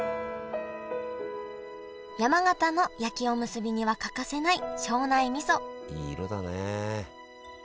山形の焼きおむすびには欠かせない庄内みそいい色だね。